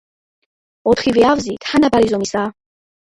ოთხივე ავზი თანაბარი ზომისაა.